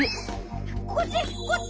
こっち！